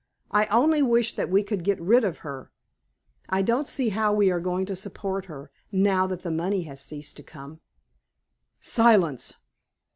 I only wish that we could get rid of her! I don't see how we are going to support her, now that the money has ceased to come!" "Silence!"